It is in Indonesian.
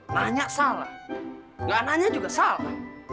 nanya salah gak nanya juga salah